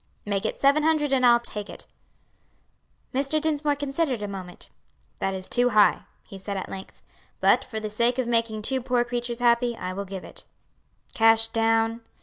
"Make it seven hundred and I'll take it." Mr. Dinsmore considered a moment. "That is too high," he said at length, "but for the sake of making two poor creatures happy, I will give it." "Cash down?"